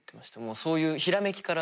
そういうひらめきから。